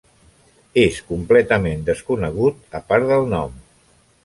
És completament desconegut a part del nom.